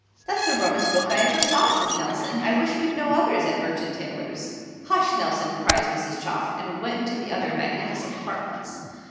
'That's the rummest book I ever saw,' says Nelson. 'I wish we'd no others at Merchant Taylors'.' 'Hush, Nelson!' cries Mrs. Chuff, and we went into the other magnificent apartments.